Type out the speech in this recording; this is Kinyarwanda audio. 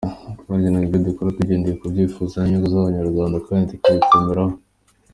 Ati “Twagenaga ibyo dukora tugendeye ku byifuzo n’inyungu z’Abanyarwanda kandi tukabikomeraho.